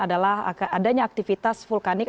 adalah adanya aktivitas vulkanik